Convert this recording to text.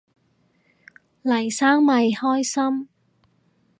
黎生咪開心